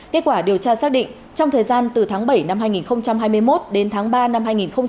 kết quả điều tra xác định trong thời gian từ tháng bảy năm hai nghìn hai mươi một đến tháng ba năm hai nghìn hai mươi ba